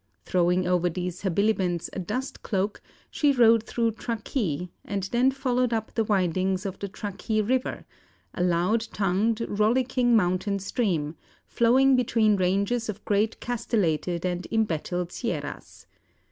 Throwing over these habiliments a dust cloak, she rode through Truckee, and then followed up the windings of the Truckee river a loud tongued, rollicking mountain stream, flowing between ranges of great castellated and embattled sierras.